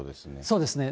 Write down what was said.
そうですね。